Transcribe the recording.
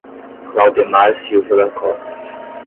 Claudemar Silva da Costa